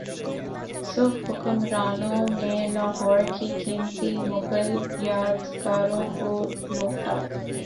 سکھ حکمرانوں نے لاہور کی قیمتی مغل یادگاروں کو لوٹا